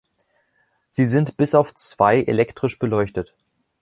Sie sind bis auf zwei elektrisch beleuchtet.